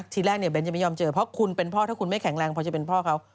ทีแรกเนี่ยเบ้นจะไม่ยอมเจอเพราะคุณเป็นพ่อถ้าคุณไม่แข็งแรงพอจะเป็นพ่อเขา